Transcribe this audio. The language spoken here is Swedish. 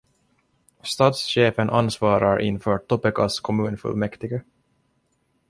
Stadschefen ansvarar inför Topekas kommunfullmäktige.